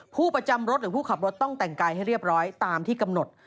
ผู้ประจำรถหรือผู้ขับรถต้องแต่งกายให้เรียบร้อยตามที่กำหนด